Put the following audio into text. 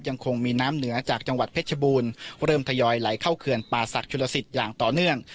ยังคงมีน้ำเหนือจากจังหวัดเพชรบูรณ์เริ่มทยอยไหลเข้าเขื่อนป่าศักดิชุลสิตอย่างต่อเนื่อง